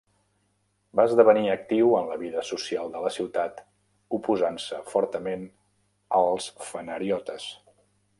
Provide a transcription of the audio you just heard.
Va esdevenir actiu en la vida social de la ciutat, oposant-se fortament als fanariotes.